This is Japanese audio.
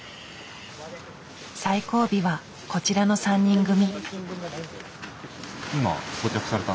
最後尾はこちらの３人組。